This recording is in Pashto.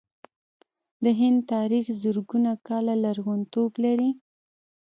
د هند تاریخ زرګونه کاله لرغونتوب لري.